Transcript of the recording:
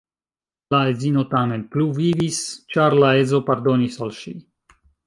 La edzino tamen pluvivis, ĉar la edzo pardonis al ŝi.